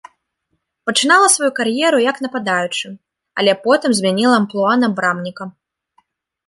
Пачынала сваю кар'еру як нападаючы, але потым змяніла амплуа на брамніка.